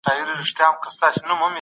کاردستي د خلاقیت روزنې یوه غوره لاره ده.